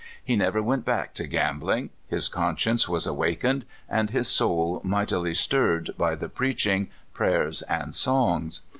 He never went back to gambling. His conscience was awakened, and his soul mightily stirred, by the preaching, prayers, and songs.